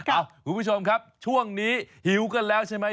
คุณผู้ชมครับช่วงนี้หิวกันแล้วใช่ไหม